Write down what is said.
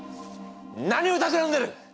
何をたくらんでる！？